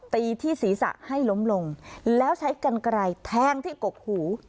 ตีที่ศีรษะให้ล้มลงแล้วใช้กันไกลแทงที่กกหู